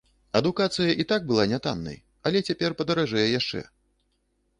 Адукацыя і так была не таннай, але цяпер падаражэе яшчэ.